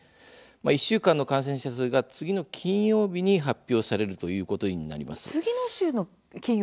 １週間の感染者数が次の金曜日に発表されるということになります。